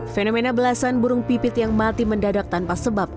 fenomena belasan burung pipit yang mati mendadak tanpa sebab